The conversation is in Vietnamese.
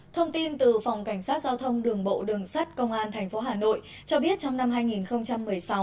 thông tin từ phòng cảnh sát giao thông đường bộ đường sát công an tp hà nội cho biết trong năm hai nghìn một mươi sáu